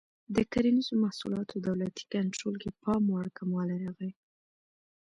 د کرنیزو محصولاتو دولتي کنټرول کې پاموړ کموالی راغی.